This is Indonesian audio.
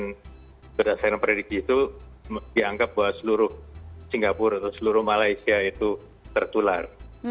dan pada saat saya memprediksi itu dianggap bahwa seluruh singapura atau seluruh malaysia itu tertular